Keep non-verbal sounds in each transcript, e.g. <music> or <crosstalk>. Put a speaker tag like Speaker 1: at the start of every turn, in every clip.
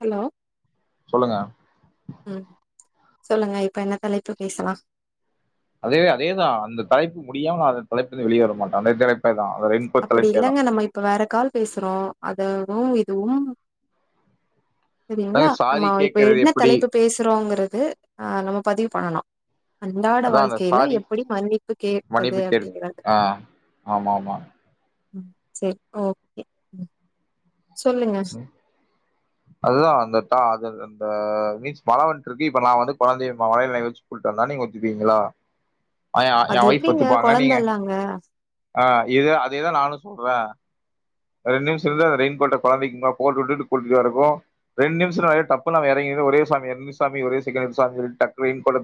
Speaker 1: Hello
Speaker 2: சொல்லுங்க
Speaker 1: ம் சொல்லுங்க இப்ப என்ன தலைப்பு பேசலா
Speaker 2: அதவே அதேதா அந்த தலைப்பு முடியாம நா அந்த தலைப்லேந்து வெளிய வர மாட்டே அந்தே தலைப்பே தா
Speaker 1: அப்டி இல்லங்க நம்ம இப்ப வேற கால் பேசுறோ அதவு இதுவு செரிங்ளா
Speaker 2: அதாங்க சாரி
Speaker 1: நம்ம இப்ப
Speaker 2: கேட்கறது
Speaker 1: என்ன
Speaker 2: எப்படி
Speaker 1: தலைப்பு பேசுறோங்றது அ நம்ம பதிவு பண்ணணு அன்றாட
Speaker 2: அதான் அந்த
Speaker 1: வாழ்க்கைல
Speaker 2: சாரி
Speaker 1: எப்படி மன்னிப்பு கேட்பது
Speaker 2: மன்னிப்பு கேட்கு
Speaker 1: அப்டிங்றாங்க
Speaker 2: ஆ ஆமா ஆமா
Speaker 1: ம் செரி ஓகே சொல்லுங்க
Speaker 2: அதுதா அந்த டா அது இந்த மீன்ஸ் மழ வந்ட்ருக்கு இப்ப நா வந்து கொழந்தைய மழைல நெனய வச்சு கூட்டு வந்தா நீங்க ஒத்துப்பீங்ளா
Speaker 1: அது எப்டிங்க
Speaker 2: நீங்க
Speaker 1: கொழந்தல்லங்க
Speaker 2: ஆ இது அதேதா நானு சொல்றே ரெண்ட் நிம்ஷொர்ந்தா ரெய்ன் கோட்ட கொழந்தக்கி போட்டு உட்டுட்டு கூட்டிட்டு வரக்கு ரெண்ட் நிம்ஷொ டப்புனு அவெ எறங்கி து ஒரே சாமி ரெண் சாமி ஒரே செகன்ட் சாமி சொல்ட் டக்குனு ரைய்ன் கோட்ட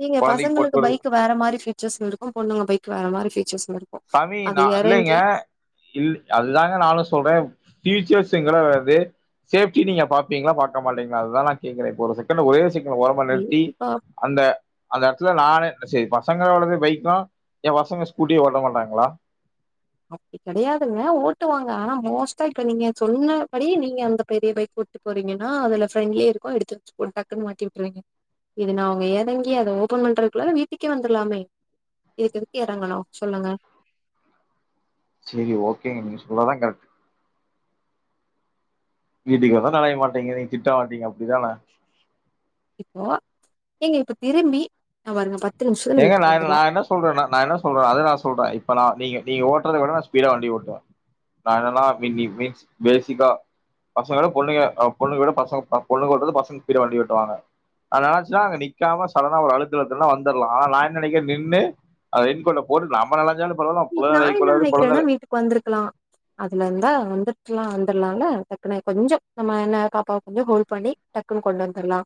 Speaker 1: நீங்க பசங்களுக்கு பைக்கு வேற மாரி ஃபீச்சர்ஸ் இருக்கு பொண்ணுங்க பைக் வேற மாரி ஃபீச்சர்ஸ்
Speaker 2: சாமி ந இல்லைங்க இல் அதுதாங்க நானு சொல் ஃபியுச்சர்ஸ்ங்கற வருது சேஃப்டி நீங்க பாப்பிங்ளா மாட்டமா இல்லிங்ளா அதா நா கேக்கற இப்ப ஒரு செகண்ட் ஒரேயொரு செகண்ட் உங்கள ஓரமா நிறுத்தி
Speaker 1: எப்படிப்பா
Speaker 2: அந்த அந்த எடத்துல நானு செரி பசங்கலவது பைக்கு ஏ பசங்க ஸ்கூட்டியே ஓட்ட மாட்டாங்களா
Speaker 1: அப்படி கெடையாதுங்க ஓட்டுவாங்க ஆனா மோஸ்டா இப்ப நீங்க சொன்னபடி நீங்க அந்த பெரிய பைக் ஒட்டி போறிங்கன்னா அதுல ஃப்ரெண்ட்லி இருக்கு எடுத்து வெச்சு டக்குன்னு மாட்டி விட்ருவீங்க இது நா அங்க எறங்கி அத ஓபன் பண்றக்குல்லார வீட்டுக்கே வந்தர்லாமே இதுக்கெதுக்கு எறங்கனு சொல்லுங்க
Speaker 2: செரி ஓகேங்க நீங்க சொல்லதா கரெக்ட் வீட்டுக்கு வந்தா நனைய மாட்டிங்க நீங்க திட்ட மாட்டிங்க அப்டிதான
Speaker 1: இப்போ ஏங்க இப்ப திரும்பி நா பாருங்க பத்
Speaker 2: ஏங்க நா நா என்ன சொல்றனா நா என்ன சொல்றே அத நா சொல்ற இப்ப நா நீங்க நீங்க ஓட்றத விட நா ஸ்பீடா வண்டி ஓட்டுவ நா என்னனா மீ மீ மீன்ஸ் பேசிக்கா பசங்களோட பொண்ணுங்க பொண்ணுங்களோட பசங்க பொண்ணுங்க ஓட்றது பசங்க ஸ்பீடா வண்டி ஓட்டுவாங்க அது என்னாச்சுனா அங்க நிக்காம சடனா ஒரு அழுத்தழுத்துனா வந் தர்லா நா என்ன நெனைக்கற நின்னு அந்த ரெயின் கோட்ட போட்டு நம்ம நலஞ்சாலு
Speaker 1: நான் என்ன நெனைக்கிறேன்னா வீட்டுக்கு வந்திருக்கலா அதுல இருந்தா வந்துருக்லா வந்தர்லால டக்குனு கொஞ்ச நம்ம என்ன பாப்பாவ கொஞ்ச ஹோல் பண்ணி டக்குன்னு கொண்டு வந்துர்லா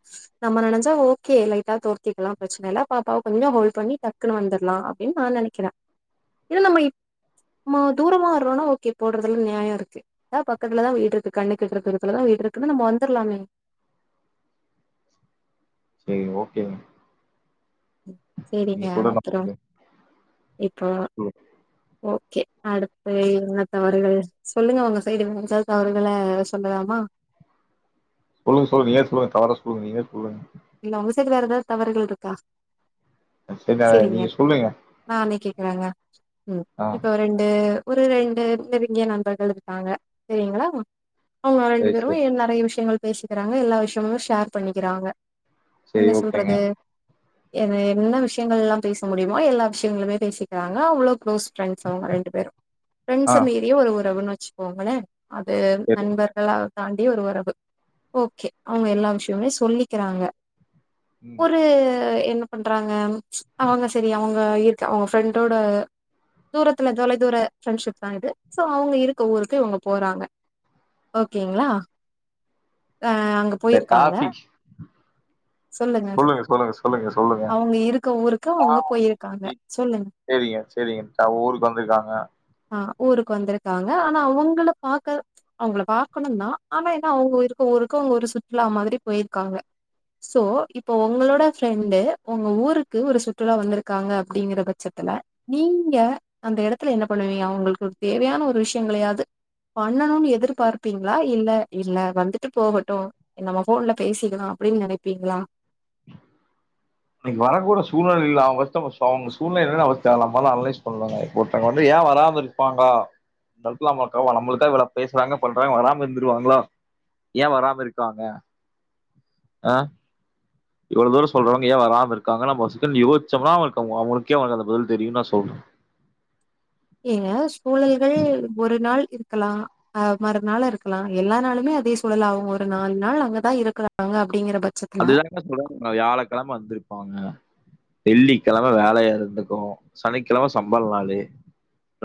Speaker 1: நம்ம நனஞ் சா ஓகே லைட்டா தோத்திக்கலா பிரச்சனை இல்ல பாப்பாவ கொஞ்ச ஹோல் பண்ணி டக்குனு வந்தர்லா அப்டின்னு நா நெனைக்கிற ஏனா நம்ம இப் தூரமா வரோன்னா ஓகே போடுறதுல நியாய இருக்கு தா பக்கத்துலதா வீடு இருக்கு கண்ணுக்கெட்ற தூரத்துலதா வீடு இருக்குன்னா நம்ம வந்தர்லாமே
Speaker 2: செரி ஓகேங்க நீங்க
Speaker 1: சேரிங்க
Speaker 2: சொல்றது
Speaker 1: அப்பறோ
Speaker 2: நமக்கு
Speaker 1: இப்போ ஓகே அடுத்து என்ன தவறுகள் சொல்லுங்க உங்க சைடு ம்ச தவறுகள சொல்லலாமா
Speaker 2: சொல்லுங்க சொல்லுங்க நீயே சொல்லுங்க தவறா சொல்லுங்க நீங்களே சொல்லுங்க
Speaker 1: இல்ல உங்க சைடு வேற எதாவ் தவறுகள்ருக்கா
Speaker 2: சரி அத
Speaker 1: செரிங்க
Speaker 2: நீங்க சொல்லுங்க
Speaker 1: நானே கேக்குறங்க ம்
Speaker 2: ஆ
Speaker 1: இப்ப ரெண்டு ஒரு ரெண்டு நெருங்கிய நண்பர்கள் இருக்காங்க செரிங்களா அவங்க ரெண்டு
Speaker 2: சரி
Speaker 1: பேரு
Speaker 2: சரி
Speaker 1: எல் நறைய விஷயங்கள் பேசிக்கிறாங்க எல்லா விஷயமு ஷேர் பண்ணிக்கிறாங்க
Speaker 2: சரி
Speaker 1: என்ன
Speaker 2: ஓகேங்க
Speaker 1: சொல்றது என்ன என்ன விஷயங்கள் எல்லா பேச முடியுமோ எல்லா விஷயங்களுமே பேசிக்கிறாங்க அவ்ளோ குளோஸ் ஃப்ரெண்ட்ஸ் அவங்க ரெண்டு பேரு
Speaker 2: ஆ
Speaker 1: ஃபிரெண்ட்ஸ மீறியே ஒரு உறவுன் வச்சுக்கோங்களே அது
Speaker 2: சரி
Speaker 1: நண்பர்களா தாண்டி ஒரு ஒறவு ஓகே அவங்க எல்லா விஷயமுமே சொல்லிக்கறாங்க
Speaker 2: ம்
Speaker 1: ஒரு என்ன பண்றாங்க அவங்க செரி அவங்க இயற்க அவங்க ஃப்ரெண்டோட தூரத்துல தொலைதூர ஃப்ரெண்ட்ஷிப் தா இது சோ அவங்க இருக்க ஊருக்கு இவுங்க போறாங்க ஓகேங்களா அ அங்க
Speaker 2: இந்த
Speaker 1: போயிருக்காங்க
Speaker 2: டாபிக்
Speaker 1: சொல்லுங்க
Speaker 2: சொல்லுங்க சொல்லுங்க சொல்லுங்க
Speaker 1: அவுங்க இருக்க ஊருக்கு அவுங்க
Speaker 2: டாபிக்
Speaker 1: போயிருக்காங்க சொல்லுங்க
Speaker 2: சேரிங்க சேரிங்க ச அவ ஊருக்கு வந்துருக்காங்க
Speaker 1: அ ஊருக்கு வந்திருக்காங்க அனா அவுங்கள பாக்க அவுங்கள பாக்கணு தா அனா என்ன அவுங்க இருக்க ஊ ருக்கு அவுங்க ஒரு சுற்றுலா மாதிரி போயிருக்காங்க சோ இப்போ உங்களோட ஃரெண்டு உங்க ஊருக்கு ஒரு சுற்றுலா வந்திருக்காங்க அப்படிங்கற பட்ச த்துல நீங்க அந்த எடத்துல என்ன பண்ணுவீங்க அவுங்களுக்கு ஒரு தேவையான ஒரு விஷயங்களையாது பண்ணணுன் எதிர்பார்ப்பீங்ளா இல்ல இல்ல வந்துட்டு போகட்டு நம்ம ஃபோன்ல பேசிக்கலா அப்டின் நெனைப்பீங்ளா
Speaker 2: இன்னிக் வர கூடிய சூழ்நிலைலில்ல <unintelligible> அவுங்க சூழ்நெல என்னனு தேவல்லாம அன்லைஸ் பண்லங்க ஒருத்தவ்ங்க வந்து ஏ ஏ வராம இருப்பாங்க இந்தெடத்துல நமக்கா நம்ளுக்கா இவ்ளோ பேசுனாங்க பண்றாங்க வராம இருந்துருவாங்களா ஏ வராம இருக்காங்க ஆ இவ்ளோ தூர சொல்றவுங்க ஏ வராம இருக்காங்க நம்ம ஒரு செகன்ட் யோஸ்சம்னா அவங்ளுக் அவ் அவுங்களுக்கே அந்த பதில் தெரியுன் நா சொல்றே
Speaker 1: ஏங்க சூழல்கள் ஒரு நாள் இரு கலா ஆ மறுநாள் இருக்கலா எல்லா நாளுமே அதே சூழல் ஆவூ ஒரு நால் நாள் அங்கதா இருக்றாங்க அப்
Speaker 2: அதுதாங்க சொல்றேன் அ வியாழக்கெழம வந்திருப்பாங்க வெள்ளிக்கெழம வேலையா இருந்துக்கூ சனிக்கெழம சம்பள் நாளு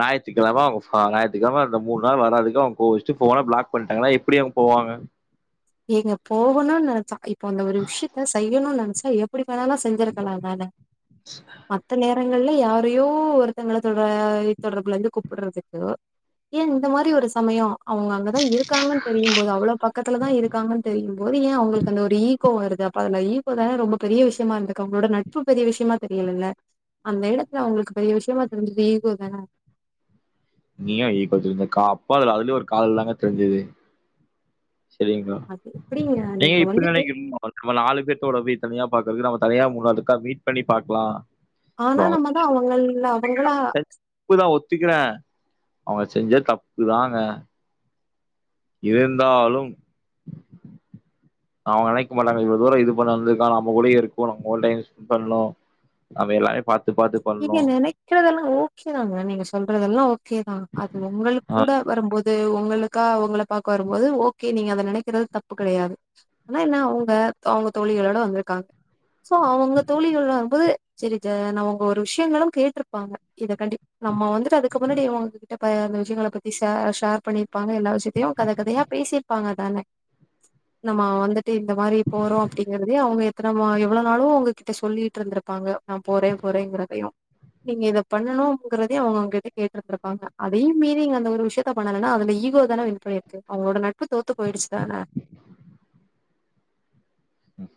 Speaker 2: ஞாயித்துக்கெழம அவுங்க ஃப ஞாயித்துகெழம அந்த மூண் நாள் வராதுக்கு அவுங் கோவ்ச்சுட்டு ஃபோன பிளாக் பண்ணிட்டாங்கனா எப்டி அங் போ பாங்க
Speaker 1: ஏங்க போகணூ நென்ச்சா இப்போ அந்த ஒரு விஷ்யத்த செய்யணு நன்ச்சா எப்டி கனாலு செஞ்சிருக்கலா தானே மத்த நேரங் ங்கள்ல யாரையோ ஒருத்தங்கள தொட தொடர்புலந்து கூப்புட்றதுக்கு ஏ இந்த மாதிரி ஒரு சமயோ அவுங்க அங்கதா இருக்காங்கன் தெரியும்போது அவ்ள பக்கத்துலதா இருக் தெரியுனும்போது ஏ அவுங்குளுக்கு அந்த ஒரு ஈகோ வருது அப்ப அதுல ஈகோ தானே ரொம்ப பெரிய விஷயமா இருந்துக்கு அவுங்களோட நட்பு பெரிய விஷயமா தெரியலல்ல அந்த எடத்துல அவுங்ளுக்கு பெரிய விஷயமா தெரிஞ்சது ஈகோ தானே
Speaker 2: நீயா ஈகோ தெரிஞ்சுது கா அப்போ அதுல ஒரு காதல் தாங்க தெரிஞ்சுது செரிங்ளா
Speaker 1: அது எப்படிங்க
Speaker 2: நீங்க ஏ இப்டி
Speaker 1: வந்துட்டு
Speaker 2: நெனைக்கிறிங் <inaudible> நம்ம நாலு பேத்தோட போய் தனியா பாக்குறதுக்கு நம தனியா முனதுக்கா மீட் பண்ணி பாக்லா
Speaker 1: ஆனா
Speaker 2: <inaudible>
Speaker 1: நம்ம தான் அவங்கள அவங்களா
Speaker 2: ப்புதா ஒத்துக்கிறே அவுங்க செஞ்ச தப்புதாங்க இருந்தாலும் அவுங்க நெனைக் மாட்டாங்க இவ்ள தூரோ இது பண்ணந்துக்கான நம கூட இருக்ணூ நம்ம கூட டைம்ஸ்பண்ட் பண்ணூ அவ எல்லாய பாத்
Speaker 1: நீங்க நெனைக்கறதெல்லா ஓகே தாங்க நீங்க சொல்றதெல்லா ஓக் கேதா அது உங்களுக்கூட வரும்போது உங்களுக்கா அவ்ங்கள பாக்க வரும்போது ஓகே நீங்க அத நெனைக்கிறது தப்பு கெடையாது ஆனா என்ன அவ்ங்க அவ்ங்க தோழிகளோட வந்திருக்காங் சோ அவுங்க தோழிகள் வரும்போது செரி ஜ ந அவுங்க ஒரு விஷயங்களும் கேட்டிருப்பாங்க இத கண்டிப் நம்ம வந்துட்டு அதுக்கு முன்னாடி உங்ககிட்ட ப இந்த வி ஷ்யங்கள பத்தி ஷே ஷேர் பண்ணிருப்பாங்க எல்லா விஷயத்தையு கத கதையா பேசிருப்பாங்க தானே நம்ம வந்துட்டு இந்த மாரி போறோ அப்டிங்கிறதே அவுங்க எத்தன மா எவ்ளவு நாளூ உங்ககிட்ட சொல்லிட்ருந்திருப் ப்பாங்க நா போறே போறேங்கிறதையு நீங்க இத பண்ணணூங்கிறதையு அவுங்க உங்கிட்ட கேட்ருந்துருப்பாங்க அதையூ மீறி அந்த ஒரு விஷயத்த பண்ணலனா அதுல ஈ ஈகோ தானே வின் பண்ணிருக்கு அவுங்களோட நட்பு தோத்து போயிடுச்சுதானே
Speaker 2: ம்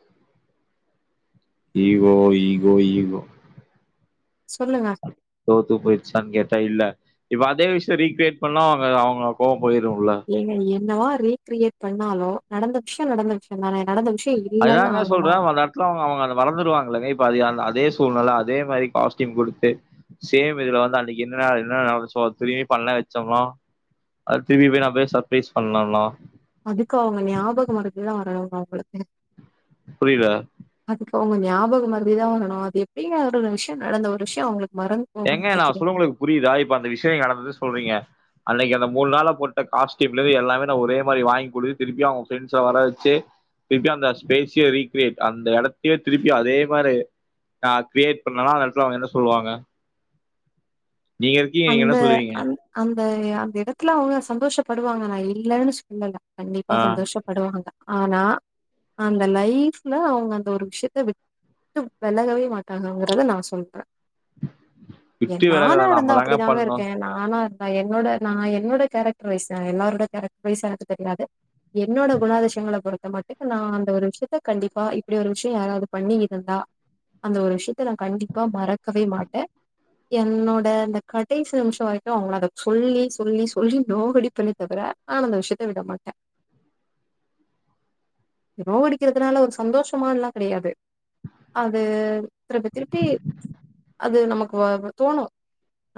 Speaker 2: ஈகோ ஈகோ ஈகோ
Speaker 1: சொல்லுங்க
Speaker 2: தோத்து போய்டுச்சான் கேட்டா இல்ல இப்ப அதே விஷ்யோ ரீக்கிரியேட் பண்ணா அவுங்க அவுங்க கோவ் போயிரூல
Speaker 1: ஏங்க என்னவா ரீக்கிரியேட் பண்ணாலு நடந்து விஷ்யோ நடந்த விஷ்யந்தானே
Speaker 2: அதாங்க சொல்றே வ அந்தெட்த்துல அவுங்க அவுங்க அத மறந்துடுவாங்கலங்க இப்ப அது யான் அத் தே சூழ்நில அதே மாரி காஸ்டியும் குடுத்து சேம் இதுல வந்து அன்னிக் என்னலா என்னலா நடந்துச்சோ அத்தினியு பா பண்ண வச்சோனா அது திருப்பி போய் நா போய் சப்ரைஸ் பண்ணன்னா
Speaker 1: அதுக்கு அவுங்க ஞாபகோ வரது <unintelligible>
Speaker 2: புரிதா
Speaker 1: அப்போ அவுங்க ஞாபகொ மறதிதா ஆகணும் அது எப்படிங்க ஒரு விஷ்யொ நடந்த ஒரு விஷ்யோ அவுங்ளுக்
Speaker 2: எங்க நா சொல்லுங்களுக்கு புரியுதா இப்ப அந்த விஷயம் நடந்துது சொல்றீங்க அன்னைக்கு அந்த மூணு நாள போட்ட காஸ்டியூம்ல இருந்து எல்லாமே நான் ஒரே மாரி வாங்கி கொடுது திருப்பி அவுங்க ஃப்ரெண்ட்ஸ வர வச்சு திருப்பியு அந்த ஸ்பேஸே ரீகிரியேட் அந்த இடத்தையே திருப்பி அதே மாரி நா கிரியேட் பண்ணனா அந்த எடத்துல அவுங்க என்ன சொல்லுவாங்க நீங்க இருக்கீங்க. நீங்க என்ன
Speaker 1: அந்த
Speaker 2: சொல்லுவீங்க?
Speaker 1: அந் அந்த ஏ அந்த எடத்துல அவுங்க சந்தோஷப்படுவாங்க நா இல்லன்னு சொல்லல கண்டிப்பா
Speaker 2: ஆ.
Speaker 1: சந்தோஷப்படுவாங்க ஆனா அந்த லைஃப்ல அவுங்க அந்த ஒரு விஷயத்த விட் விட்டு வெலகவே மாட்டாங்கங்கறத நா சொல்ற
Speaker 2: விட்டு வெலகல நம்மதாங்க
Speaker 1: தாங்க இருக்கே நானு நா இருந்தா என்னோட நா என்னோட கேரக்டர் வைஸ் நா எல்லாரோட கேரக்டர் வைஸ் எனக்கு தெரியாது என்னோட குனோ வேண்டாத விஷயங்கள பொறுத்த மட்டுக்கு நா அந்த ஒரு விஷயத்த கண்டிப்பா இப்டி ஒரு விஷயோ யாராவது பண்ணி இருந்தா அந்த ஒரு விஷயத்த நா கண்டிப்பா மறக்கவே மாட்டே என்னோட அந்த கடைசி நிமிஷோ வரைக்கு அவங்கள அத சொல்லி சொல்லி சொல்லி நோகடிப்பேனே தவர ஆனா அந்த விஷயத்த விட மாட்டே நோகடிக்கிறதுனால ஒரு சந்தோஷமால்லா கெடையாது அது திருப்பி திருப்பி அது நமக்கு வரு தோணு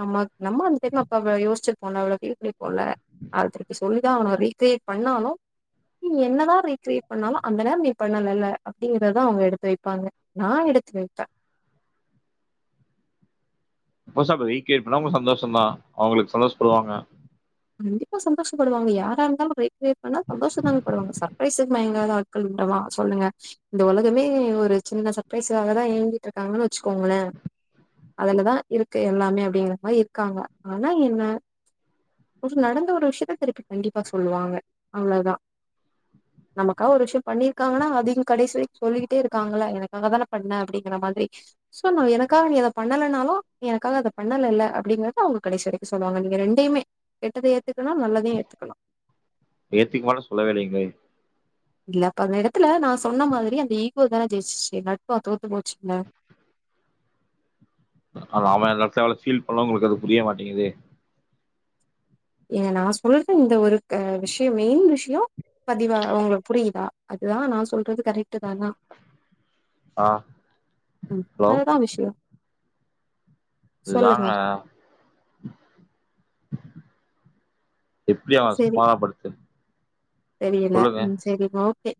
Speaker 1: நமக் நம்ம அந்த டெக்ல அப்ப அவ யோசிச்சிருபோன்ல அவ்ளோ ஃபீல் பண்ணிருப்போல்ல அத எடுத்து சொல் தா ஆகனு ரீக்கிரியேட் பண்ணாலு நீ என்னதா ரீக்கிரியேட் பண்ணாலு அந்த நேரம் நீ பண்ணலல அப்டிங்கிறத தா அவுங்க எடுத்து வைப்பாங்க நா எ த்து வைப்பே
Speaker 2: மோஸ்ட்டா ஆஃப் ரீகிரியேட் பன்னா அவுங்க சந்தோஷந்தா அவுங்களுக்கு சந்தோஷப்படுவாங்க
Speaker 1: கண்டிப்பா சந்தோஷப்படுவாங்க யாரா இருந்தாலு ரீகிரியேட் பண்ணா சந்தோஷந்தான படுவாங்க சர்ப்ரைஸ்க்கு மயங் மயங்காத ஆட்கள் உண்டவா சொல்லுங்க இந்த உலகமே ஒரு சின்ன சர்ப்ரைஸ் காக தா இயங்கீட்டு இருக்காங்கன்னு வச்சுக்கோங்க கோங்கள அதுலதா இருக்கு எல்லாமே அப்டிங்கிற மாரி இருக்காங்க ஆனா என்ன ஒரு நடந்த ஒரு விஷயத்த திருப்பி கண்டிப்பா சொல்லுவாங்க அவ்ளோதா நமக்கா ஒரு விஷயோ பண்ணிருக்காங்கன்னா அதயு கடேசி வரைக்கு சொல்லிக்கிட்டே இருக்காங்கள எனக்காக தான பண்ண அப்டிங்கிற மாதிரி சோ நா எனக்காக நீ அத பண்ணலனாலு எனக்காக அத பண்ணலல்ல அப்டிங்கறத அவங்க கடைசி வரைக்கு சொல்லுவாங்க நீங்க ரெண் ரெண்டையுமே கெட்டத ஏத்துக்கணு நல்லதயு ஏத்துக்கணு
Speaker 2: ஏத்துக்க மாட்டேன்னு சொல்லவே இல்லைங்களே
Speaker 1: இல்ல அப்ப அந்த எடத்துல நா சொன்ன மாதிரி அந்த ஈகோ தான ஜெயிச்சிச்சி நட்பா தோத்து போச்சில்ல
Speaker 2: நாம அந்த எடத்ததுல எவ்ளோ ஃபீல் பண்ணோ அவுங்களுக்கு அது புரிய மாட்டேங்குதே
Speaker 1: ஏங்க நா சொல்ற இந்த ஒருக்க விஷயோ மெயின் விஷயோ பதிவா ஒங்களுக்கு புரியுதா அதுதா நா சொல்றது கரெக்ட் தானா
Speaker 2: ஆ
Speaker 1: ம்
Speaker 2: ஹலோ
Speaker 1: அதுதா விஷயோ
Speaker 2: இதுதாங்க எப்படி அவன
Speaker 1: சரி
Speaker 2: சமாதானப்படுத்து
Speaker 1: தெரியல
Speaker 2: சொல்லுங்க
Speaker 1: ம் செரிமா ஓகே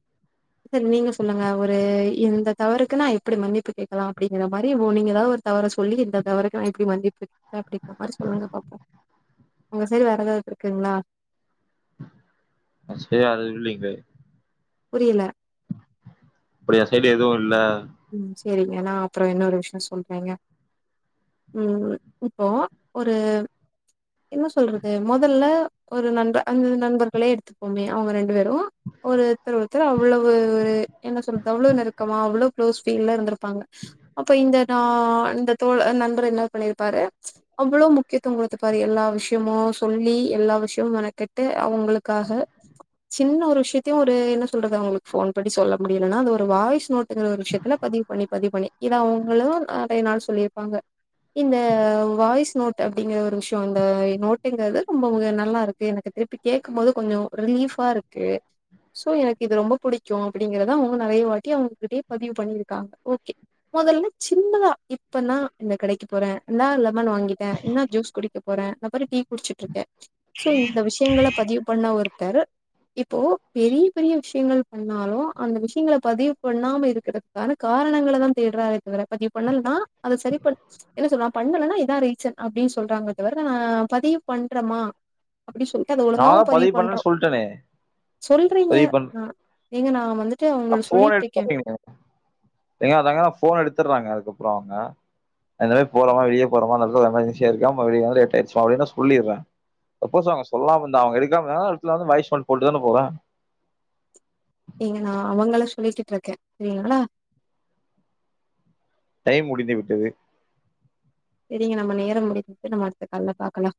Speaker 1: சார் நீங்க சொல்லுங்க ஒரு இந்த தவறுக்குன்னா எப்டி மன்னிப்பு கேக்கலா அப்டிங்கற மாதிரி நீங்க ஏதாவது ஒரு தவறு தவற சொல்லி இந்த தவறக்கு நா இப்டி மன்னிப்பு கேட்டே அப்டிங்கிற மாரி சொல்லுங்க பாப்போ உங்க சைடு வேற எதாவது இருக்குங்களா
Speaker 2: மோஸ்ட்லி அது இல்லேங்க
Speaker 1: புரியல
Speaker 2: அப்டி ஏ சைடு எதுவு இல்ல
Speaker 1: ம் சேரிங்க நா அப்றோ இன்னொரு விஷயோ சொல்றேங்க ம் இப்போ ஒரு என்ன சொல்றது மொதல்ல ஒரு நண்ப அந்த நண்பர்களே எடுத்துப்போமே அவுங்க ரெண் டு பேரு ஒருத்தர ஒருத்தர் அவ்வளவு ஒரு என்ன சொல்றது அவ்ளோ நெருக்கமா அவ்ளோ க்ளோஸ் ஃபீல்ல இருந்துருப்பாங்க அப்ப இந்த நா ஆ இந்த தோழ நண்பர் என்ன பண்ணிருப்பாரு அவ்ளோ முக்கியத்துவோ குடுத்திருப்பாரு எல்லா விஷயமு சொல்லி எல்லா விஷயமு மெனக்கெட்டு அவுங்களுக்காக சின்ன ஒரு விஷயத்தையு ஒரு என்ன சொல்றது அவுங்களுக்கு ஃபோன் பண்ணி சொல்ல முடியலன்னா அது ஒரு வாய்ஸ் நோட்டுங்கிற ஒரு விஷயத்துல பதிவு பண்ணி பதிவு பண்ணி இத அவுங்களு நெறைய நாள் சொல்லிருப்பாங்க இந்த வாய்ஸ் நோட் அப்டிங்கற ஒரு விஷியோ அந்த நோட்டுங்கிறது ரொம்போ நல்லாருக்கு எனக்கு திருப்பி கேக்கும் போது கொஞ்ச ரிலீஃபா இருக்கு சோ எனக்கு இது ரொம்ப புடிக்கும் அப்டிங்கிறதா அவுங்க நெறைய வாட்டி அவுங்ககிட்டயே பதிவு பண்ணிருக்காங்க ஓகே மொதல்ல சின்னதா இப்பந்தா இந்த கடக்கி போற <unintelligible> லெமன் வாங்கிட்ட இன்னா ஜூஸ் குடிக்க போற அப்பறோ டீ குடிச்சிட்டுருக்க சோ இந்த விஷயங்கள பதிவு பண்ணா ஒருத்தர் இப்போ பெரிய பெரிய விஷயங்கள் பண்ணாலு அந்த விஷயங்கள பதிவு பண்ணாம இரு இதுக்கான காரணங்கள தா தேட்றாரே தவிர பதிவு பண்ணலன்னா அது சரி பண் என்ன சொல்லா பண்ணலன்னா இதா ரீசன் அப்டின்னு சொல்றாங்க தவிர ஆ பதிவு பண்றோமா அப்டி சொல்ட்டு அத
Speaker 2: நான்
Speaker 1: ஒழுங்காவு
Speaker 2: தான்
Speaker 1: பதிவு
Speaker 2: பண்ணேன்னு
Speaker 1: பண்றோம்
Speaker 2: சொல்லிட்டேனே
Speaker 1: சொல்றீங்க
Speaker 2: பதிவு
Speaker 1: நா
Speaker 2: பண்ண
Speaker 1: ஏங்க நா வந்துட்டு அவுங்களுக்
Speaker 2: போன்
Speaker 1: சொல்லிட்ருக்கே
Speaker 2: எடுத்துறீங்க ஏங்க அதாங்க ஃபோன் எடுத்துர்றாங்க அதுக்கப்புறோ அவுங்க நா இந்த மாரி போறம்மா வெளிய போறம்மா இந்த எடத்துல ஒரு எமர்ஜன்சியா இருக்கே <unintelligible> லேட்டாச்சிம்மா அப்டின்னா சொல்லிட்ற சப்போஸ் அவுங்க சொல்லாம இருந்தா அவுங்க எடுக்காம இருந்தான்னா அந்த எடத்துல வந்து வாய்ஸ் நோட் போட்டு தான போவ
Speaker 1: நீங்க நா அவங்கள சொல்லிட்ருக்க செரிங்களா
Speaker 2: டைம் முடிந்து விட்டது
Speaker 1: சரிங்க நம்ம நேரம் முடிந்து விட்டது நம்ம அடுத்த கால்ல பாக்கலா